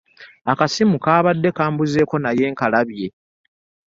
Akasimu kaabadde kambuzeeko naye nakalabye.